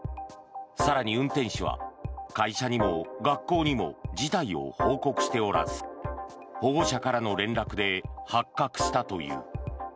更に、運転手は会社にも学校にも事態を報告しておらず保護者からの連絡で発覚したという。